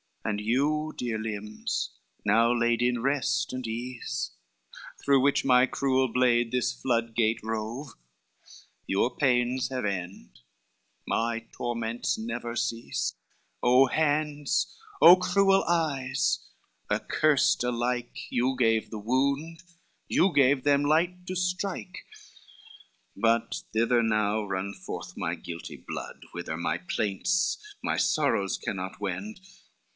And you, dear limbs, now laid in rest and ease, Through which my cruel blade this flood gate rove, Your pains have end, my torments never cease, O hands, O cruel eyes, accursed alike! You gave the wound, you gave them light to strike. LXXXIII "But thither now run forth my guilty blood, Whither my plaints, my sorrows cannot wend."